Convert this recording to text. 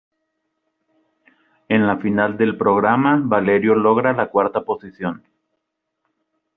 En la final del programa Valerio logra la cuarta posición.